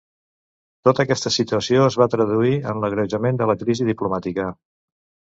Tota aquesta situació es va traduir en l'agreujament de la crisi diplomàtica.